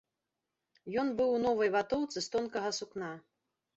Ён быў у новай ватоўцы з тонкага сукна.